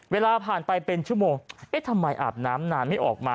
เวลาผ่านไปเป็นชั่วโมงเอ๊ะทำไมอาบน้ำนานไม่ออกมา